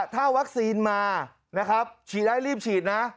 ถ้าวัคซีนมานะครับฉีดได้รีบฉีดนะ